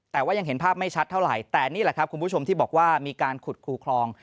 แต่ว่ายังเห็นภาพไม่ชัดเท่าไหร่แต่นี่แหละครับคุณผู้ชมที่บอกว่ามีการขุดคูคลอง